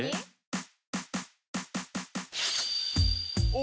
お！